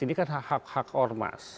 ini kan hak hak ormas